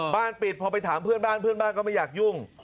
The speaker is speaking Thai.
ปิดพอไปถามเพื่อนบ้านเพื่อนบ้านก็ไม่อยากยุ่ง